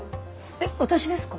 えっ私ですか？